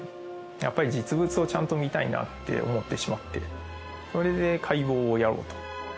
やっぱり実物をちゃんと見たいなって思ってしまってそれで解剖をやろうと。